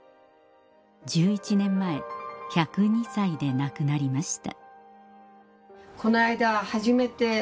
１１年前１０２歳で亡くなりました